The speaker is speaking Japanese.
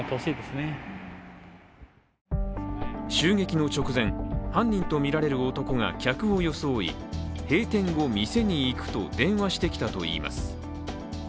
襲撃の直前、犯人とみられる男が客を装い閉店後、店に行くと電話してきたといいます。